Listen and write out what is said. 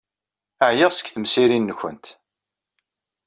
Ɛyiɣ seg temsirin-nwent.